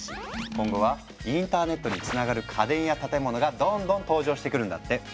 今後はインターネットにつながる家電や建物がどんどん登場してくるんだって。